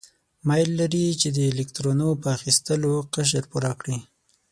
میل لري چې د الکترونو په اخیستلو قشر پوره کړي.